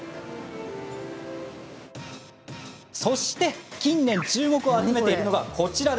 そして近年注目を集めているのが、こちら。